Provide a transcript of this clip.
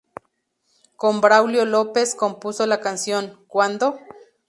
Con Braulio López compuso la canción "¿Cuándo?